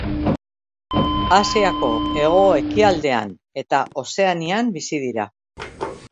Asiako hego-ekialdean eta Ozeanian bizi dira.